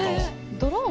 ドローン？